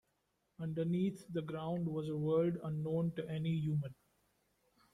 Underneath the ground was a world unknown to any human.